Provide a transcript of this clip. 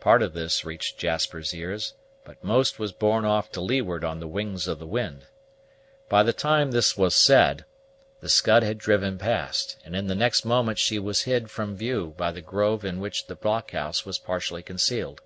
Part of this reached Jasper's ears, but most was borne off to leeward on the wings of the wind. By the time this was said, the Scud had driven past, and in the next moment she was hid from view by the grove in which the blockhouse was partially concealed.